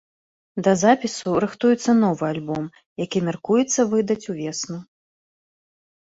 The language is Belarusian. Да запісу рыхтуецца новы альбом, які мяркуецца выдаць увесну.